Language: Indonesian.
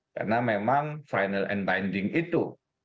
karena memang final and binding itu